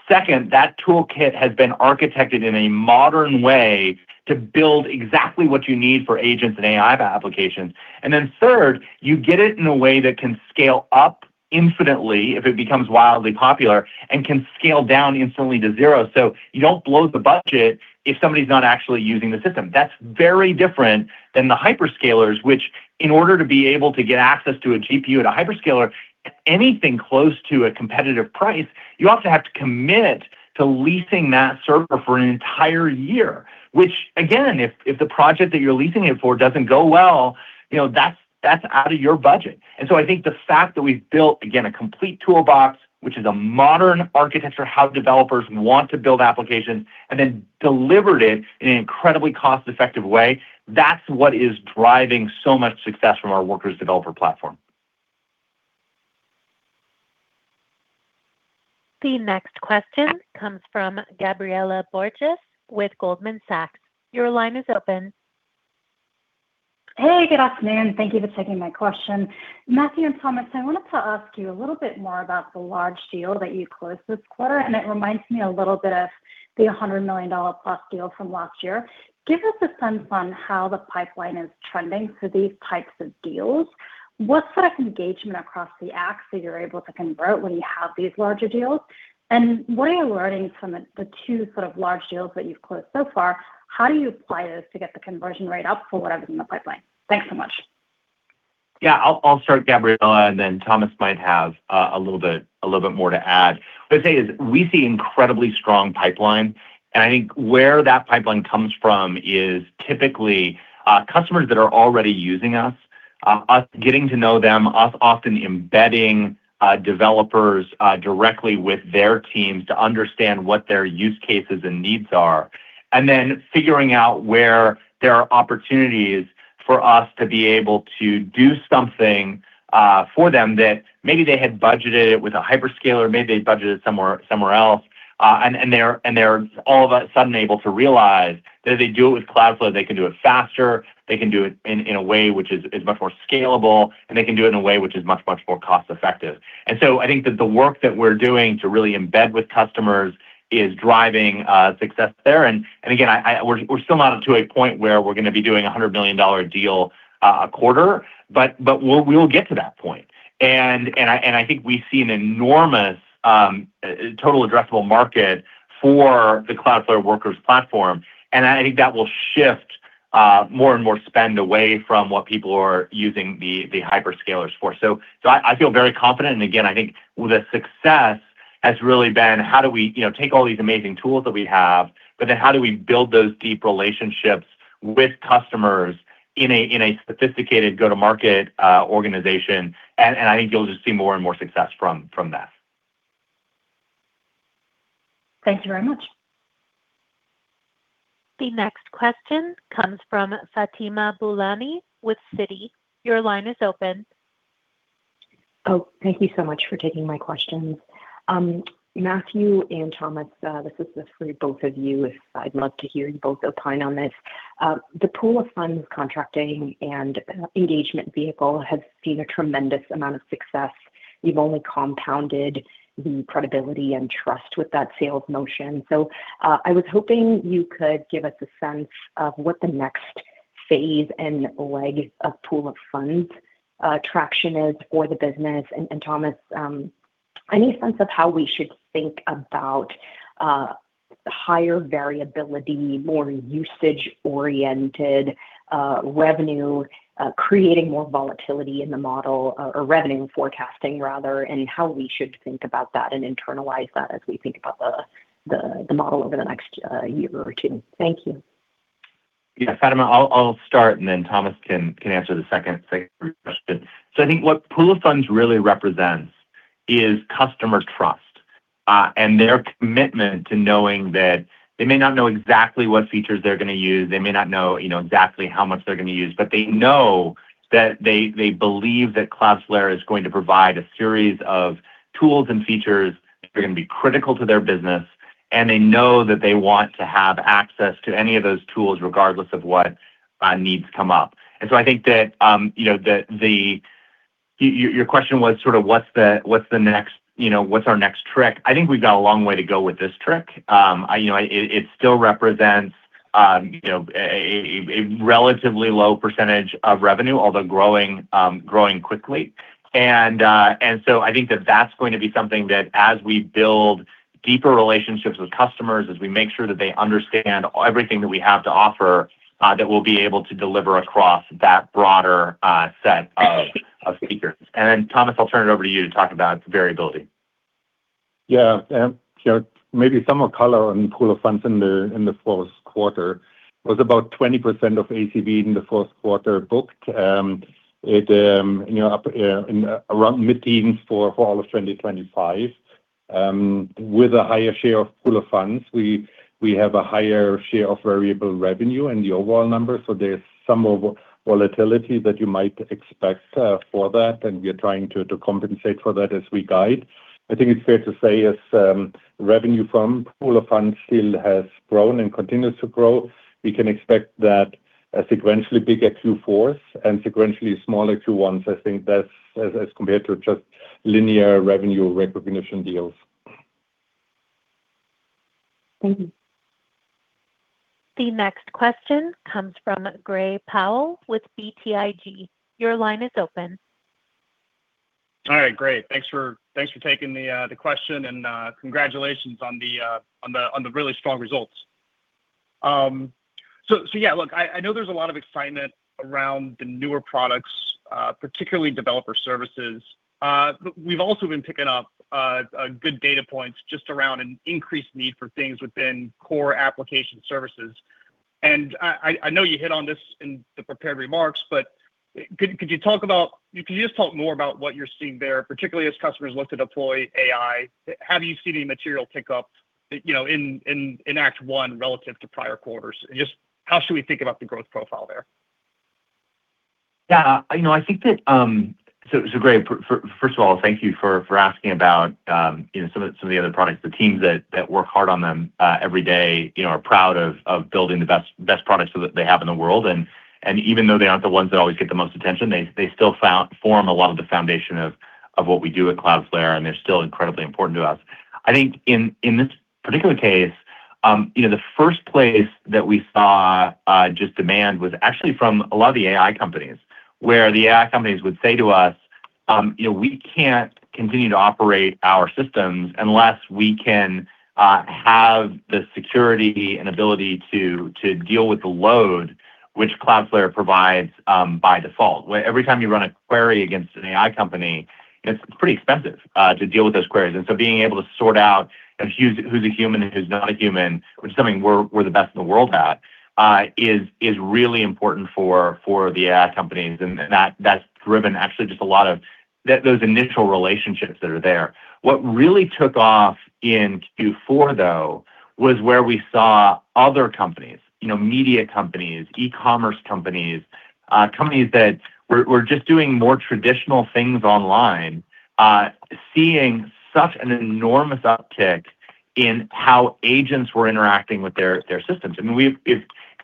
S3: Second, that toolkit has been architected in a modern way to build exactly what you need for agents and AI applications. And then third, you get it in a way that can scale up infinitely if it becomes wildly popular and can scale down instantly to zero so you don't blow the budget if somebody's not actually using the system. That's very different than the hyperscalers, which in order to be able to get access to a GPU at a hyperscaler at anything close to a competitive price, you often have to commit to leasing that server for an entire year, which, again, if the project that you're leasing it for doesn't go well, that's out of your budget. And so I think the fact that we've built, again, a complete toolbox, which is a modern architecture of how developers want to build applications, and then delivered it in an incredibly cost-effective way, that's what is driving so much success from our Workers Developer Platform.
S1: The next question comes from Gabriela Borges with Goldman Sachs. Your line is open.
S8: Hey. Good afternoon. Thank you for taking my question. Matthew and Thomas, I wanted to ask you a little bit more about the large deal that you closed this quarter. It reminds me a little bit of the $100 million+ deal from last year. Give us a sense on how the pipeline is trending for these types of deals. What sort of engagement across the acts are you able to convert when you have these larger deals? What are you learning from the two sort of large deals that you've closed so far? How do you apply those to get the conversion rate up for whatever's in the pipeline? Thanks so much.
S3: Yeah. I'll start, Gabriela, and then Thomas might have a little bit more to add. What I'd say is we see an incredibly strong pipeline. And I think where that pipeline comes from is typically customers that are already using us, us getting to know them, us often embedding developers directly with their teams to understand what their use cases and needs are, and then figuring out where there are opportunities for us to be able to do something for them that maybe they had budgeted it with a hyperscaler, maybe they'd budgeted it somewhere else, and they're all of a sudden able to realize that if they do it with Cloudflare, they can do it faster. They can do it in a way which is much more scalable. And they can do it in a way which is much, much more cost-effective. And so I think that the work that we're doing to really embed with customers is driving success there. And again, we're still not to a point where we're going to be doing a $100 million deal a quarter. But we'll get to that point. And I think we see an enormous total addressable market for the Cloudflare Workers Platform. And I think that will shift more and more spend away from what people are using the hyperscalers for. So I feel very confident. And again, I think the success has really been, "How do we take all these amazing tools that we have, but then how do we build those deep relationships with customers in a sophisticated go-to-market organization?" And I think you'll just see more and more success from that.
S8: Thank you very much.
S1: The next question comes from Fatima Boolani with Citi. Your line is open.
S9: Oh, thank you so much for taking my questions. Matthew and Thomas, this is for both of you. I'd love to hear you both opine on this. The pool of funds contracting and engagement vehicle has seen a tremendous amount of success. You've only compounded the credibility and trust with that sales motion. So I was hoping you could give us a sense of what the next phase and leg of pool of funds traction is for the business. And Thomas, any sense of how we should think about higher variability, more usage-oriented revenue, creating more volatility in the model or revenue forecasting, rather, and how we should think about that and internalize that as we think about the model over the next year or two? Thank you.
S3: Yeah. Fatima, I'll start, and then Thomas can answer the second question. So I think what pool of funds really represents is customer trust and their commitment to knowing that they may not know exactly what features they're going to use. They may not know exactly how much they're going to use. But they know that they believe that Cloudflare is going to provide a series of tools and features that are going to be critical to their business. And they know that they want to have access to any of those tools regardless of what needs come up. And so I think that your question was sort of, "What's the next what's our next trick?" I think we've got a long way to go with this trick. It still represents a relatively low percentage of revenue, although growing quickly. And so I think that that's going to be something that as we build deeper relationships with customers, as we make sure that they understand everything that we have to offer, that we'll be able to deliver across that broader set of features. And then, Thomas, I'll turn it over to you to talk about variability.
S4: Yeah. Maybe some more color on pool of funds in the fourth quarter. It was about 20% of ACV in the fourth quarter booked around mid-teens for all of 2025. With a higher share of pool of funds, we have a higher share of variable revenue in the overall number. So there's some volatility that you might expect for that. And we're trying to compensate for that as we guide. I think it's fair to say, as revenue from pool of funds still has grown and continues to grow, we can expect that sequentially bigger Q4s and sequentially smaller Q1s, I think, as compared to just linear revenue recognition deals.
S10: Thank you.
S1: The next question comes from Gray Powell with BTIG. Your line is open.
S11: All right. Great. Thanks for taking the question. And congratulations on the really strong results. So yeah, look, I know there's a lot of excitement around the newer products, particularly developer services. But we've also been picking up good data points just around an increased need for things within core Application Services. And I know you hit on this in the prepared remarks, but could you just talk more about what you're seeing there, particularly as customers look to deploy AI? Have you seen any material pickup in Act 1 relative to prior quarters? And just how should we think about the growth profile there?
S3: Yeah. I think that, so Gray, first of all, thank you for asking about some of the other products. The teams that work hard on them every day are proud of building the best products that they have in the world. And even though they aren't the ones that always get the most attention, they still form a lot of the foundation of what we do at Cloudflare. And they're still incredibly important to us. I think in this particular case, the first place that we saw just demand was actually from a lot of the AI companies, where the AI companies would say to us, "We can't continue to operate our systems unless we can have the security and ability to deal with the load which Cloudflare provides by default." Every time you run a query against an AI company, it's pretty expensive to deal with those queries. And so being able to sort out who's a human and who's not a human, which is something we're the best in the world at, is really important for the AI companies. And that's driven, actually, just a lot of those initial relationships that are there. What really took off in Q4, though, was where we saw other companies, media companies, e-commerce companies, companies that were just doing more traditional things online, seeing such an enormous uptick in how agents were interacting with their systems. I mean,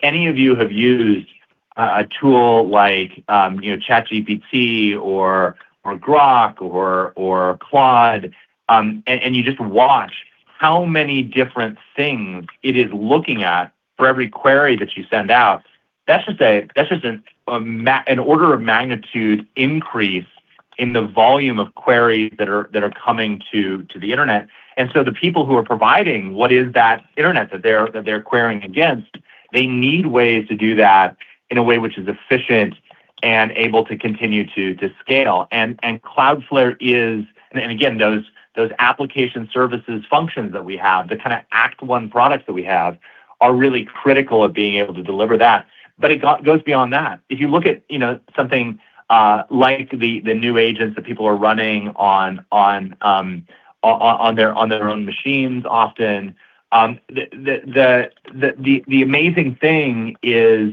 S3: if any of you have used a tool like ChatGPT or Grok or Claude and you just watch how many different things it is looking at for every query that you send out, that's just an order of magnitude increase in the volume of queries that are coming to the internet. And so the people who are providing what is that internet that they're querying against, they need ways to do that in a way which is efficient and able to continue to scale. And Cloudflare is and again, those Application Services functions that we have, the kind of Act 1 products that we have, are really critical of being able to deliver that. But it goes beyond that. If you look at something like the new agents that people are running on their own machines often, the amazing thing is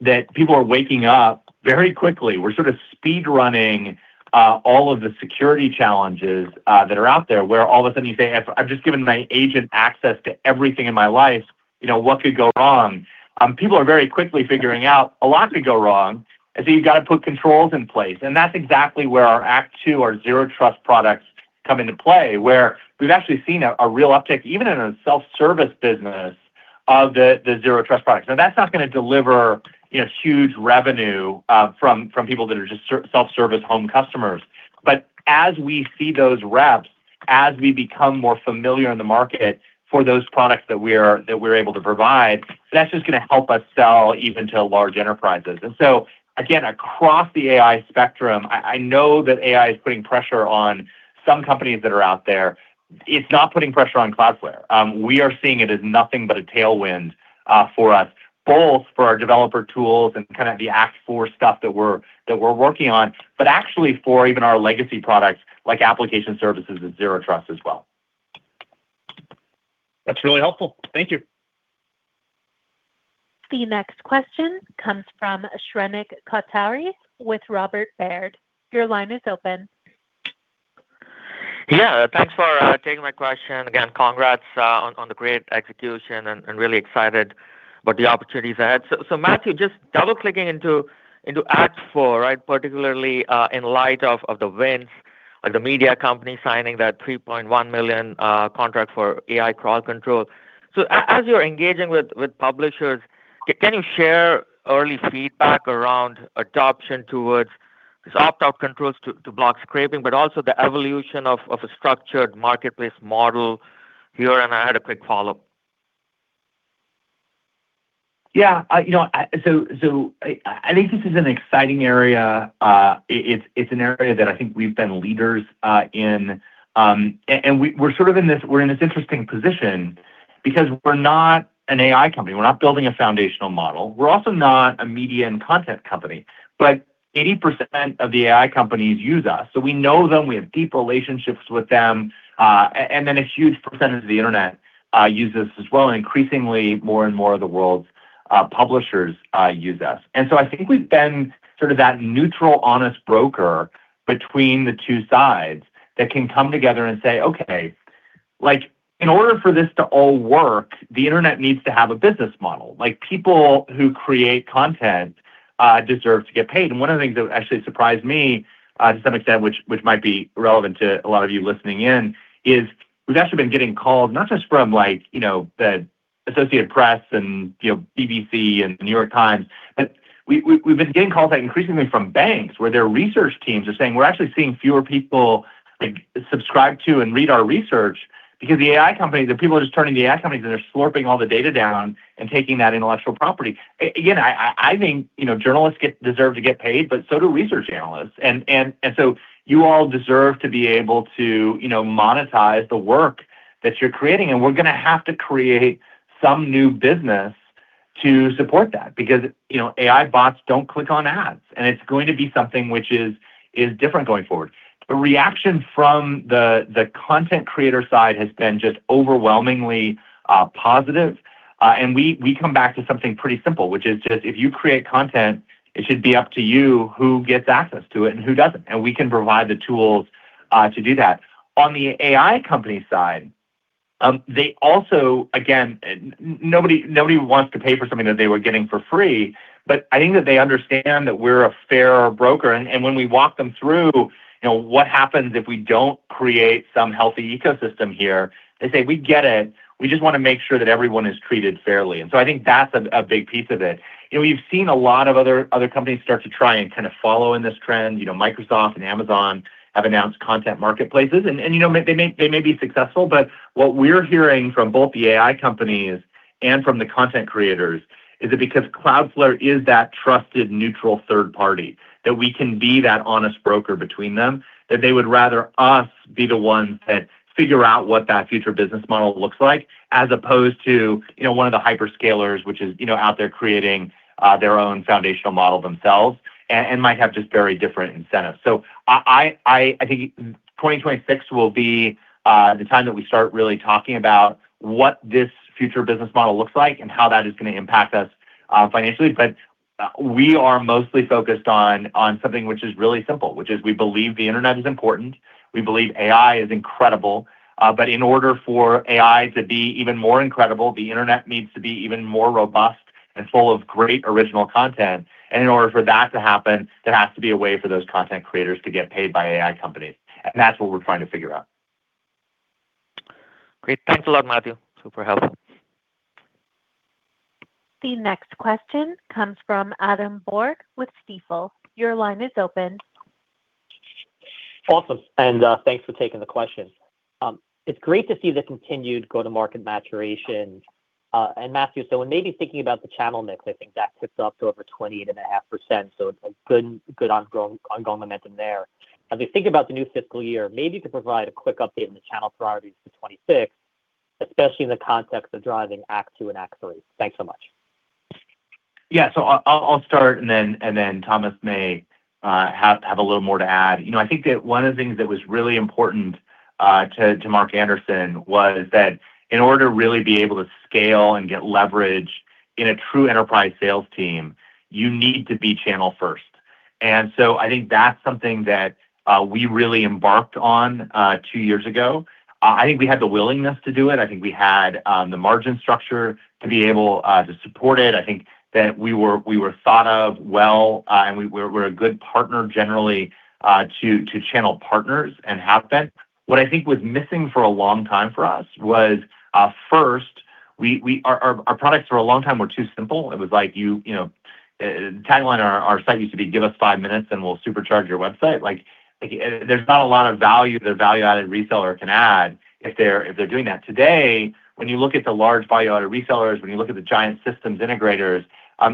S3: that people are waking up very quickly. We're sort of speedrunning all of the security challenges that are out there, where all of a sudden, you say, "I've just given my agent access to everything in my life. What could go wrong?" People are very quickly figuring out, "A lot could go wrong." And so you've got to put controls in place. And that's exactly where our Act 2 Zero Trust products come into play, where we've actually seen a real uptick, even in a self-service business, of Zero Trust products. Now, that's not going to deliver huge revenue from people that are just self-service home customers. But as we see those reps, as we become more familiar in the market for those products that we're able to provide, that's just going to help us sell even to large enterprises. And so again, across the AI spectrum, I know that AI is putting pressure on some companies that are out there. It's not putting pressure on Cloudflare. We are seeing it as nothing but a tailwind for us, both for our developer tools and kind of the Act 4 stuff that we're working on, but actually for even our legacy products like Application Services Zero Trust as well.
S11: That's really helpful. Thank you.
S1: The next question comes from Shrenik Kothari with Robert Baird. Your line is open.
S12: Yeah. Thanks for taking my question. Again, congrats on the great execution. And really excited about the opportunities ahead. So Matthew, just double-clicking into Act 4, right, particularly in light of the wins, like the media company signing that $3.1 million contract for AI Crawl Control. So as you're engaging with publishers, can you share early feedback around adoption towards these opt-out controls to block scraping, but also the evolution of a structured marketplace model here? And I had a quick follow-up.
S3: Yeah. So I think this is an exciting area. It's an area that I think we've been leaders in. And we're sort of in this interesting position because we're not an AI company. We're not building a foundational model. We're also not a media and content company. But 80% of the AI companies use us. So we know them. We have deep relationships with them. And then a huge percentage of the internet uses us as well. And increasingly, more and more of the world's publishers use us. And so I think we've been sort of that neutral, honest broker between the two sides that can come together and say, "Okay. In order for this to all work, the internet needs to have a business model. People who create content deserve to get paid." One of the things that actually surprised me, to some extent, which might be relevant to a lot of you listening in, is we've actually been getting calls not just from the Associated Press and BBC and New York Times, but we've been getting calls increasingly from banks, where their research teams are saying, "We're actually seeing fewer people subscribe to and read our research because the AI companies, people are just turning to AI companies, and they're slurping all the data down and taking that intellectual property." Again, I think journalists deserve to get paid, but so do research analysts. And so you all deserve to be able to monetize the work that you're creating. And we're going to have to create some new business to support that because AI bots don't click on ads. It's going to be something which is different going forward. The reaction from the content creator side has been just overwhelmingly positive. And we come back to something pretty simple, which is just, "If you create content, it should be up to you who gets access to it and who doesn't. And we can provide the tools to do that." On the AI company side, they also again, nobody wants to pay for something that they were getting for free. But I think that they understand that we're a fair broker. And when we walk them through what happens if we don't create some healthy ecosystem here, they say, "We get it. We just want to make sure that everyone is treated fairly." And so I think that's a big piece of it. We've seen a lot of other companies start to try and kind of follow in this trend. Microsoft and Amazon have announced content marketplaces. And they may be successful. But what we're hearing from both the AI companies and from the content creators is that because Cloudflare is that trusted, neutral third party, that we can be that honest broker between them, that they would rather us be the ones that figure out what that future business model looks like as opposed to one of the hyperscalers, which is out there creating their own foundational model themselves and might have just very different incentives. So I think 2026 will be the time that we start really talking about what this future business model looks like and how that is going to impact us financially. But we are mostly focused on something which is really simple, which is we believe the internet is important. We believe AI is incredible. But in order for AI to be even more incredible, the internet needs to be even more robust and full of great original content. And in order for that to happen, there has to be a way for those content creators to get paid by AI companies. And that's what we're trying to figure out.
S12: Great. Thanks a lot, Matthew. Super helpful.
S1: The next question comes from Adam Borg with Stifel. Your line is open.
S13: Awesome. Thanks for taking the question. It's great to see the continued go-to-market maturation. Matthew, so when maybe thinking about the channel mix, I think that ticks up to over 28.5%. So good ongoing momentum there. As we think about the new fiscal year, maybe you could provide a quick update on the channel priorities for 2026, especially in the context of driving Act 2 and Act 3. Thanks so much.
S3: Yeah. So I'll start, and then Thomas may have a little more to add. I think that one of the things that was really important to Mark Anderson was that in order to really be able to scale and get leverage in a true enterprise sales team, you need to be channel first. And so I think that's something that we really embarked on two years ago. I think we had the willingness to do it. I think we had the margin structure to be able to support it. I think that we were thought of well. And we're a good partner, generally, to channel partners and have been. What I think was missing for a long time for us was, first, our products for a long time were too simple. It was like tagline our site used to be, "Give us five minutes, and we'll supercharge your website." There's not a lot of value that a value-added reseller can add if they're doing that. Today, when you look at the large value-added resellers, when you look at the giant systems integrators,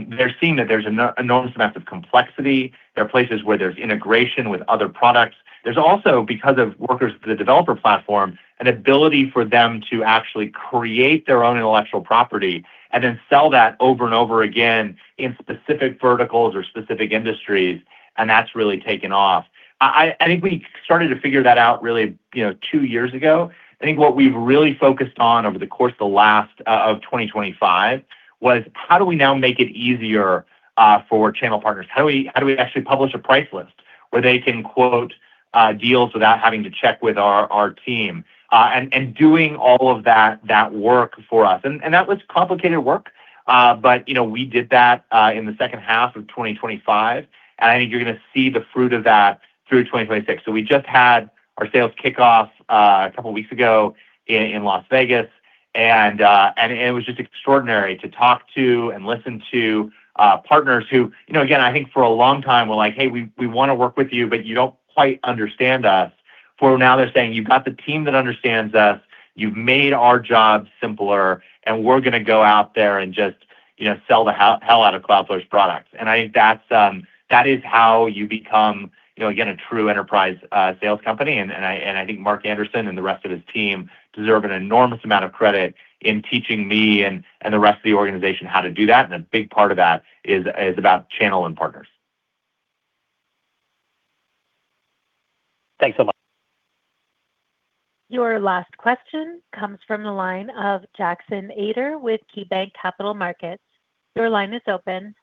S3: they're seeing that there's an enormous amount of complexity. There are places where there's integration with other products. There's also, because of Workers with the Developer Platform, an ability for them to actually create their own intellectual property and then sell that over and over again in specific verticals or specific industries. And that's really taken off. I think we started to figure that out really two years ago. I think what we've really focused on over the course of the last of 2025 was, how do we now make it easier for channel partners? How do we actually publish a price list where they can quote deals without having to check with our team and doing all of that work for us? And that was complicated work. But we did that in the second half of 2025. And I think you're going to see the fruit of that through 2026. So we just had our sales kickoff a couple of weeks ago in Las Vegas. And it was just extraordinary to talk to and listen to partners who, again, I think for a long time, were like, "Hey, we want to work with you, but you don't quite understand us." where now they're saying, "You've got the team that understands us. You've made our job simpler. And we're going to go out there and just sell the hell out of Cloudflare's products." I think that is how you become, again, a true enterprise sales company. I think Mark Anderson and the rest of his team deserve an enormous amount of credit in teaching me and the rest of the organization how to do that. A big part of that is about channel and partners.
S13: Thanks so much.
S1: Your last question comes from the line of Jackson Ader with KeyBanc Capital Markets. Your line is open.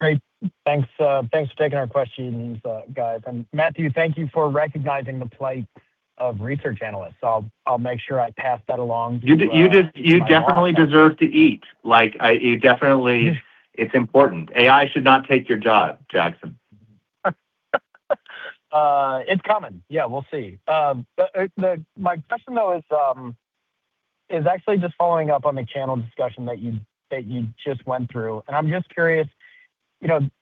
S14: Great. Thanks for taking our questions, guys. Matthew, thank you for recognizing the plight of research analysts. I'll make sure I pass that along to you.
S3: You definitely deserve to eat. It's important. AI should not take your job, Jackson.
S14: It's common. Yeah. We'll see. My question, though, is actually just following up on the channel discussion that you just went through. I'm just curious. One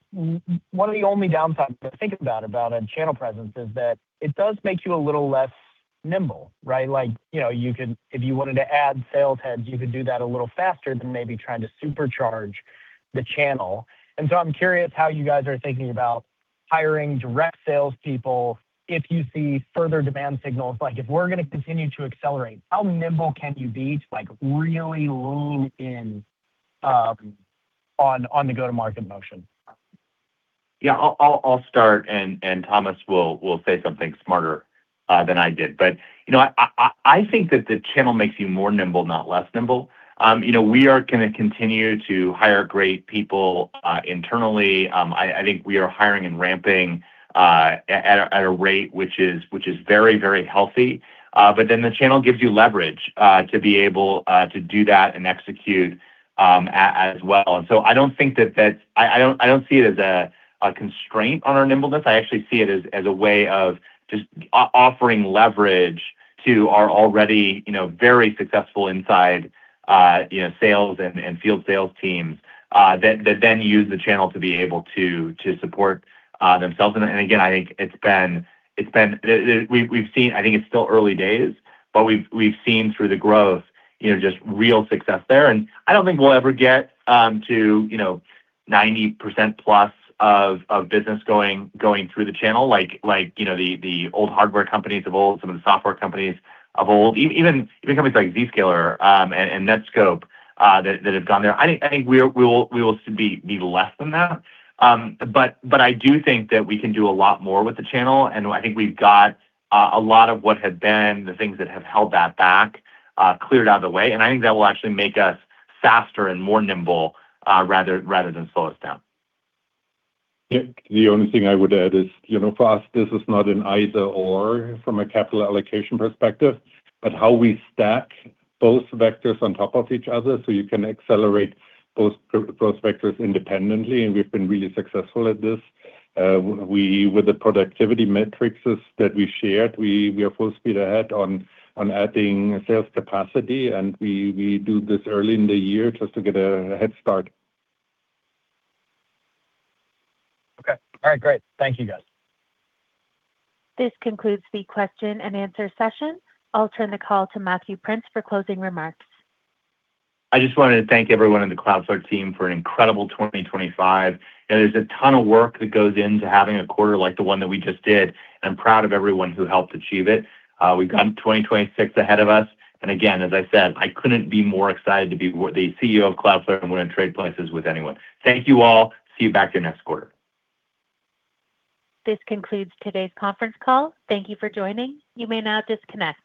S14: of the only downsides to think about a channel presence is that it does make you a little less nimble, right? If you wanted to add sales heads, you could do that a little faster than maybe trying to supercharge the channel. So I'm curious how you guys are thinking about hiring direct salespeople if you see further demand signals. If we're going to continue to accelerate, how nimble can you be to really lean in on the go-to-market motion?
S3: Yeah. I'll start. Thomas will say something smarter than I did. But I think that the channel makes you more nimble, not less nimble. We are going to continue to hire great people internally. I think we are hiring and ramping at a rate which is very, very healthy. But then the channel gives you leverage to be able to do that and execute as well. So I don't think that's. I don't see it as a constraint on our nimbleness. I actually see it as a way of just offering leverage to our already very successful inside sales and field sales teams that then use the channel to be able to support themselves. Again, I think it's been. We've seen. I think it's still early days. But we've seen through the growth just real success there. I don't think we'll ever get to 90%+ of business going through the channel, like the old hardware companies of old, some of the software companies of old, even companies like Zscaler and Netskope that have gone there. I think we will be less than that. But I do think that we can do a lot more with the channel. And I think we've got a lot of what had been the things that have held that back cleared out of the way. And I think that will actually make us faster and more nimble rather than slow us down.
S4: Yeah. The only thing I would add is, first, this is not an either/or from a capital allocation perspective, but how we stack both vectors on top of each other so you can accelerate both growth vectors independently. We've been really successful at this. With the productivity metrics that we shared, we are full speed ahead on adding sales capacity. We do this early in the year just to get a head start.
S14: Okay. All right. Great. Thank you, guys.
S1: This concludes the question-and-answer session. I'll turn the call to Matthew Prince for closing remarks.
S3: I just wanted to thank everyone in the Cloudflare team for an incredible 2025. There's a ton of work that goes into having a quarter like the one that we just did. And I'm proud of everyone who helped achieve it. We've got 2026 ahead of us. And again, as I said, I couldn't be more excited to be the CEO of Cloudflare and wouldn't trade places with anyone. Thank you all. See you back here next quarter.
S1: This concludes today's conference call. Thank you for joining. You may now disconnect.